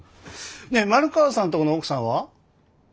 ねえ丸川さんとこの奥さんは？